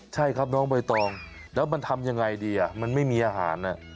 ใช่ครับน้องใบตองแล้วมันทำยังไงดีมันไม่มีอาหาร